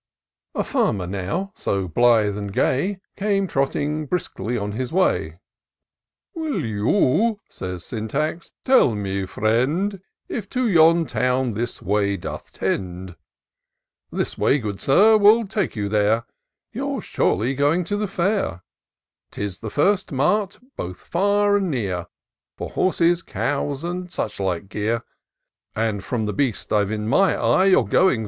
A farmer now, so blithe and gay, Came trotting briskly on his way. " Will you," says Sjoitax, " teU me friend, If to yon town this way doth tend ?"" This road, good Sir, will take you there ; You're surely going to the fair ; 180 TOUR OF DOCTOR SYNTAX 'Tis the first mart^ both &r and near^ Fpr horses, cows, and such like gear ; And, from the beast I've in my eye. You're going.